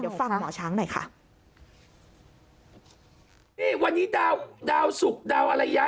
เดี๋ยวฟังหมอช้างหน่อยค่ะนี่วันนี้ดาวดาวสุกดาวอะไรยะ